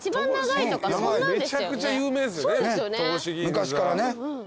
昔からね。